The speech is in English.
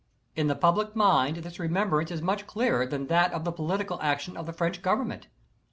In the public mind this remembrance is much clearer than that of the political action of the French Government.